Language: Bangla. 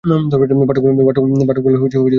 পাঠক বলল, গান হচ্ছে স্যার।